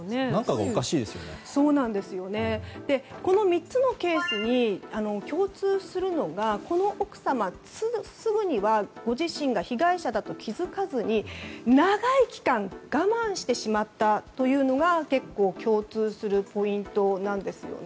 この３つのケースに共通するのが、奥様はすぐにはご自身が被害者だと気づかずに長い期間我慢してしまったというのが共通するポイントなんですよね。